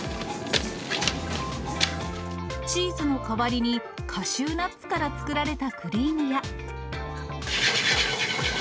チーズの代わりにカシューナッツから作られたクリームや。